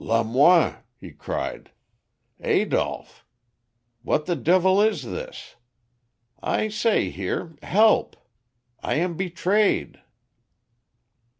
"Lamoine," he cried "Adolph. What the devil is this? I say, here. Help! I am betrayed."